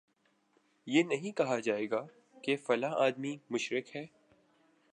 یہ نہیں کہا جائے گا فلاں آدمی مشرک ہے